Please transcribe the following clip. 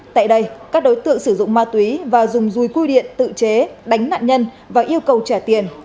tại đây các đối tượng sử dụng ma túy và dùng dùi cui điện tự chế đánh nạn nhân và yêu cầu trả tiền